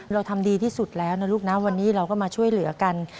เราทำดีที่สุดแล้วนะลูกนะวันนี้เราก็มาช่วยเหลือกัน